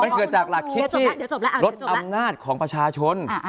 มันเกิดจากหลักคิดที่ลดอำนาจของประชาชน